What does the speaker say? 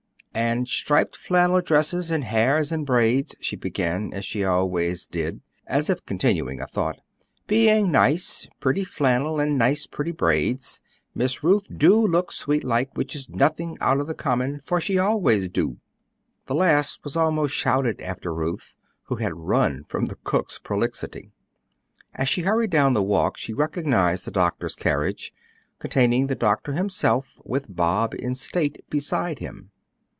"And striped flannel dresses and hairs in braids," she began, as she always did, as if continuing a thought, "being nice, pretty flannel and nice, pretty braids, Miss Ruth do look sweet like, which is nothing out of the common, for she always do!" The last was almost shouted after Ruth, who had run from the cook's prolixity. As she hurried down the walk, she recognized the doctor's carriage, containing the doctor himself with Bob in state beside him.